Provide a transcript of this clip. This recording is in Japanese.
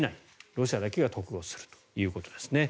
ロシアだけが得をするということですね。